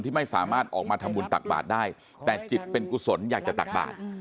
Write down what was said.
ไม่สามารถออกมาทำบุญตักบาทได้แต่จิตเป็นกุศลอยากจะตักบาท